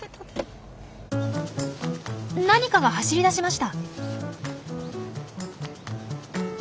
何かが走り出しました。